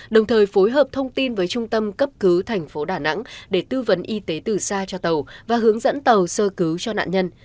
đồng thời phối hợp thông tin với trung tâm cấp cứu thành phố đà nẵng để tư vấn y tế từ xa cho tàu và hướng dẫn tàu sơ cứu cho nạn nhân